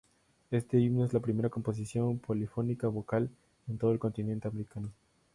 Este himno es la primera composición polifónica vocal en todo el continente americano.